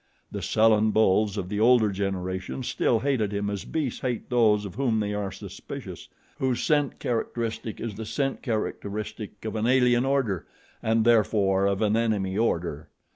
The sullen bulls of the older generation still hated him as beasts hate those of whom they are suspicious, whose scent characteristic is the scent characteristic of an alien order and, therefore, of an enemy order.